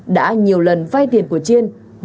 đã nhiều lần vai tiền của chiên